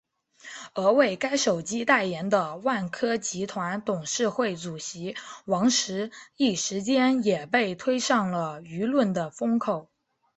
而为该手机代言的万科集团董事会主席王石一时间也被推上了舆论的风口。